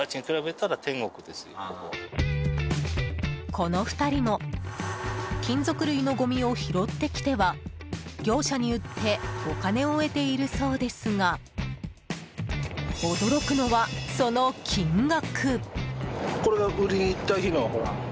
この２人も金属類のごみを拾ってきては業者に売ってお金を得ているそうですが驚くのは、その金額。